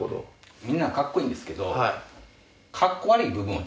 みんなかっこいいんですけど。